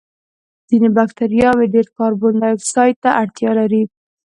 ځینې بکټریاوې ډېر کاربن دای اکسایډ ته اړتیا لري.